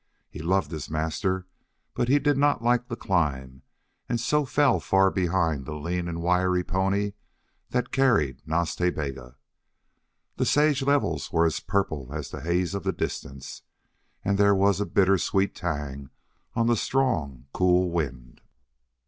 He loved his master, but he did not like the climb, and so fell far behind the lean and wiry pony that carried Nas Ta Bega. The sage levels were as purple as the haze of the distance, and there was a bitter sweet tang on the strong, cool wind.